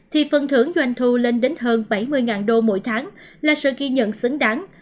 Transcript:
thì phần thưởng doanh thu lên đến hơn bảy mươi đô mỗi tháng là sự ghi nhận xứng đáng